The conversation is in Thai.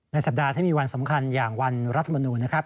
สัปดาห์ที่มีวันสำคัญอย่างวันรัฐมนูลนะครับ